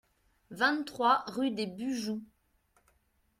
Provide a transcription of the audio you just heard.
vingt-trois rue des Bujoux